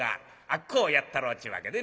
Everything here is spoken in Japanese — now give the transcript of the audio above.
あっこをやったろうちゅうわけでね。